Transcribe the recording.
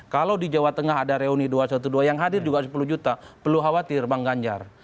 kalau di jawa tengah ada reuni dua ratus dua belas yang hadir juga sepuluh juta perlu khawatir bang ganjar